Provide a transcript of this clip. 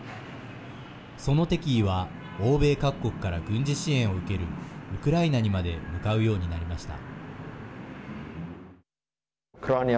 その敵意は欧米各国から軍事支援を受けるウクライナにまで向かうようになりました。